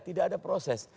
tidak ada proses